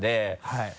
はい。